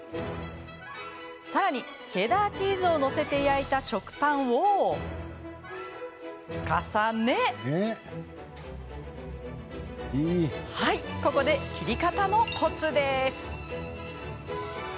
さらに、チェダーチーズを載せて焼いた食パンを重ねはい、ここで切り方のコツです。